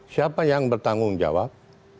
siapa yang bertanggung jawab